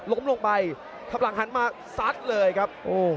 ล้มลงไปทำหลังหันมาซัดเลยครับ